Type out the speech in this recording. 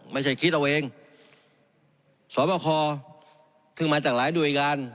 ไม่ใช่คิดเอาเองสวรรคอมาจากหลายดุลียการ